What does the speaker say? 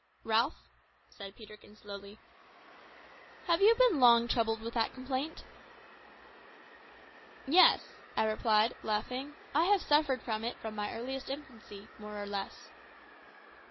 "Ralph," said Peterkin slowly, "have you been long troubled with that complaint?" "Yes," I replied, laughing; "I have suffered from it from my earliest infancy, more or less."